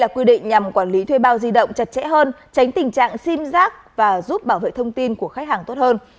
quản lý thuê bao di động chặt chẽ hơn tránh tình trạng sim rác và giúp bảo vệ thông tin của khách hàng tốt hơn